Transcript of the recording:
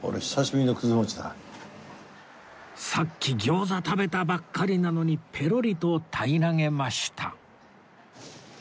さっき餃子食べたばっかりなのにペロリと平らげました